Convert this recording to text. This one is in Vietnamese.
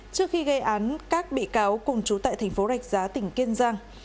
trước khi gây án các bị cáo cùng chú tại thành phố rạch giá tỉnh kiên giang